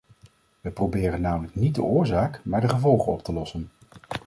We proberen namelijk niet de oorzaak, maar de gevolgen op te lossen.